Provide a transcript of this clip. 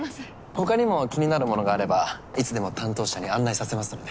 他にも気になるものがあればいつでも担当者に案内させますので。